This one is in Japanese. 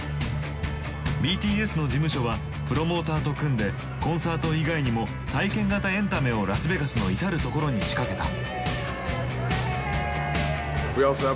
ＢＴＳの事務所はプロモーターと組んでコンサート以外にも体験型エンタメをラスベガスの至る所に仕掛けた。